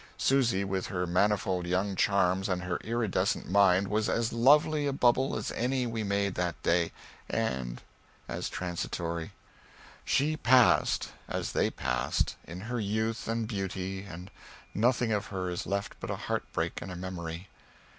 Susy, with her manifold young charms and her iridescent mind, was as lovely a bubble as any we made that day and as transitory. She passed, as they passed, in her youth and beauty, and nothing of her is left but a heartbreak and a memory.